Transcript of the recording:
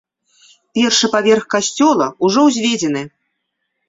Першы паверх касцёла ўжо ўзведзены.